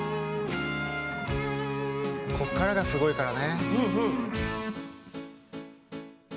こっからがすごいからね。